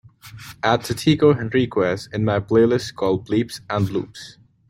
add Tatico Henriquez in my playlist called bleeps & bloops